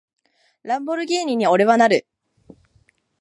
ランボルギーニに、俺はなる！